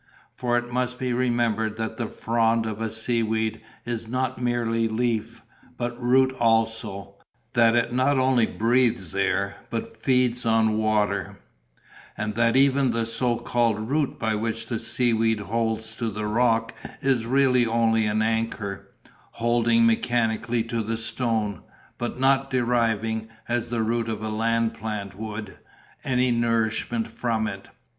For it must be remembered that the frond of a sea weed is not merely leaf, but root also; that it not only breathes air, but feeds on water; and that even the so called root by which a sea weed holds to the rock is really only an anchor, holding mechanically to the stone, but not deriving, as the root of a land plant would, any nourishment from it.